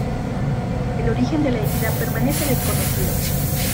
El origen de la herida permanece desconocido.